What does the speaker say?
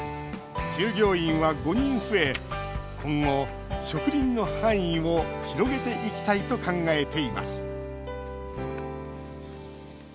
従業員は５人増え今後、植林の範囲を広げていきたいと考えています